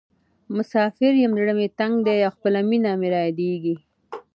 مسافر یم زړه مې تنګ ده او خپله مینه مې رایادیزې.